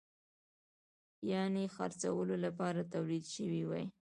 یعنې د خرڅولو لپاره تولید شوی وي.